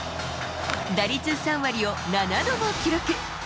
打率３割を７度も記録。